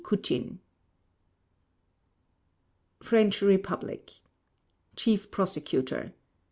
Kuchin French Republic CHIEF PROSECUTOR: M.